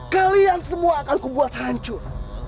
kalian semua akan kubuat hancur